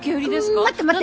待って待って。